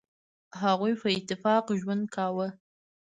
هغوی په اتفاق ژوند کاوه.